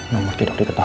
nomor tidak diketahui